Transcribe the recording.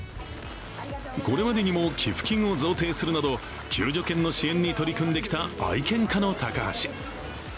これまでにも寄付金を贈呈するなど、救助犬の支援に取り組んできた愛犬家の高橋。